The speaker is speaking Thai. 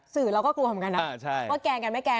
สื่อเราก็กลัวเหมือนกันนะว่าแกล้งกันไม่แกล